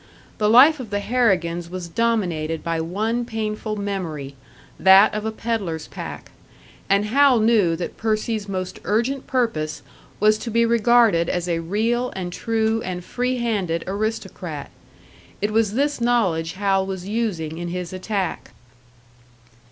The life of the Harrigans was dominated by one painful memory that of a pedlar's pack; and Hal knew that Percy's most urgent purpose was to be regarded as a real and true and freehanded aristocrat. It was this knowledge Hal was using in his attack.